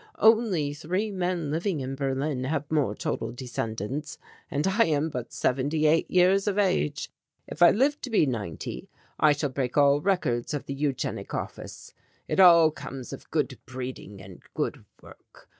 Only three men living in Berlin have more total descendants and I am but seventy eight years of age. If I live to be ninety I shall break all records of the Eugenic Office. It all comes of good breeding and good work.